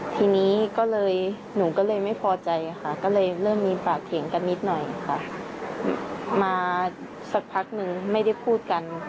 เพื่อนเขายืมไปเยอะละค่ะหื้อก็เลยไม่พอใจ